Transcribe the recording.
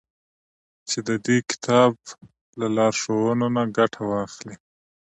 چي د دې كتاب له لارښوونو نه گټه واخلي.